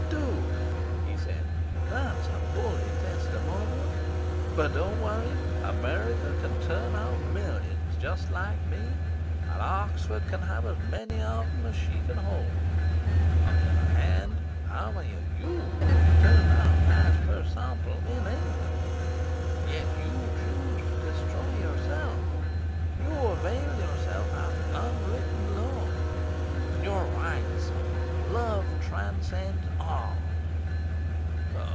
"Duke" he said "that's a bully testimonial. But don't worry. America can turn out millions just like me, and Oxford can have as many of them as she can hold. On the other hand, how many of YOU can be turned out, as per sample, in England? Yet you choose to destroy yourself. You avail yourself of the Unwritten Law. And you're right, Sir. Love transcends all."